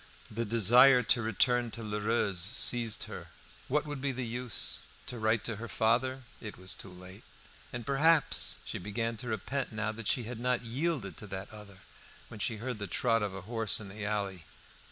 The desire to return to Lheureux's seized her what would be the use? To write to her father it was too late; and perhaps, she began to repent now that she had not yielded to that other, when she heard the trot of a horse in the alley.